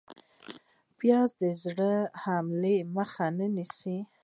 پیاز د زړه حملې مخه نیسي